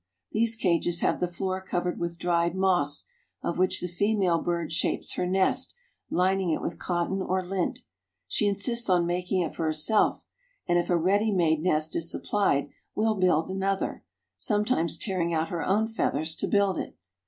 These cages have the floor covered with dried moss, of which the female bird shapes her nest, lining it with cotton or lint. She insists on making it for herself, and if a ready made nest is supplied, will build another, sometimes tearing out her own feathers to build it.